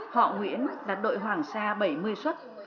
họ nguyễn đặt đội hoàng sa bảy mươi xuất